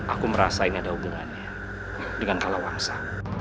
aku merasa ini ada hubungannya dengan kala wangsa